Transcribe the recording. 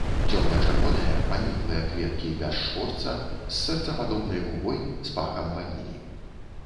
Цёмна-чырвоныя, паніклыя кветкі без шпорца, з сэрцападобнай губой з пахам ванілі.